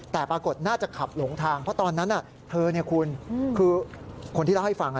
แต่ปรากฏน่าจะขับหลงทางเพราะตอนนั้นเธอเนี่ยคุณคือคนที่เล่าให้ฟัง